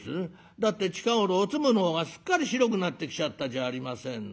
「だって近頃おつむの方がすっかり白くなってきちゃったじゃありませんの。